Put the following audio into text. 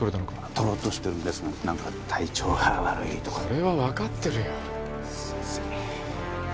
取ろうとしているんですが何か体調が悪いとかでそれは分かってるよすいません